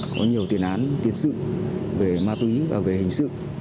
có nhiều tiền án tiền sự về ma túy và về hình sự